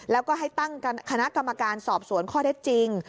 แล้วก็ให้ตั้งคณะกรรมการสอบสวนข้อเท็จจริง